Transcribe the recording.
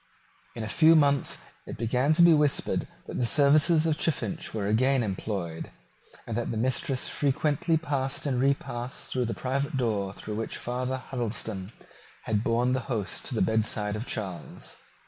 In a few months it began to be whispered that the services of Chiffinch were again employed, and that the mistress frequently passed and repassed through that private door through which Father Huddleston had borne the host to the bedside of Charles.